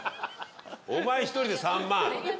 お前１人で３万。